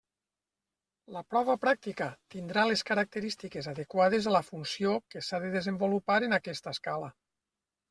La prova pràctica tindrà les característiques adequades a la funció que s'ha de desenvolupar en aquesta escala.